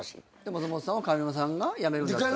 松本さんは上沼さんがやめるんだったら。